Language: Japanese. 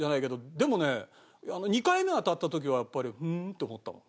でもね２回目当たった時はやっぱりふーんって思ったもん。